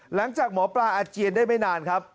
หลังจากหมอปลาอาเจียนได้ไม่นานครับ